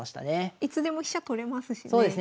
いつでも飛車取れますしね。